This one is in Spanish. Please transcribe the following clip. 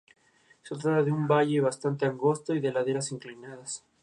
Un operador de radio y un navegante se sentaban junto a ellos.